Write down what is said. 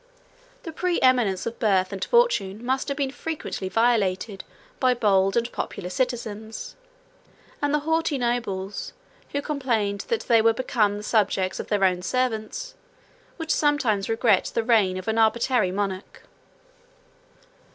The preeminence of birth and fortune must have been frequently violated by bold and popular citizens; and the haughty nobles, who complained that they were become the subjects of their own servants, 183 would sometimes regret the reign of an arbitrary monarch.